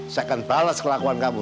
saya akan balas kelakuan kamu